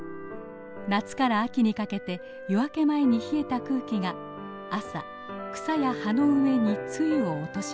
夏から秋にかけて夜明け前に冷えた空気が朝草や葉の上に露を落とします。